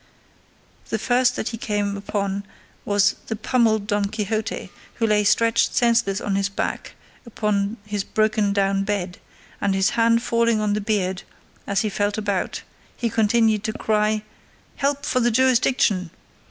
The first that he came upon was the pummelled Don Quixote, who lay stretched senseless on his back upon his broken down bed, and, his hand falling on the beard as he felt about, he continued to cry, "Help for the Jurisdiction!"